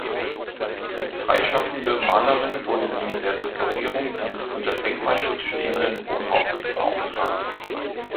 Als freischaffende Malerin wurde sie mit der Restaurierung dieses unter Denkmalschutz stehenden Wohnhauses beauftragt.